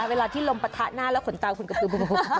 เวลาที่ลมปะทะหน้าแล้วขนตาคุณก็คือบึง